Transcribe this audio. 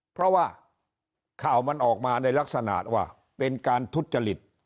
เพราะว่าข่าวมันออกมาในลักษณะว่าเป็นการทุจริต